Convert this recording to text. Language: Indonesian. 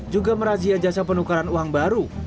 juga merazia jasa penukaran uang baru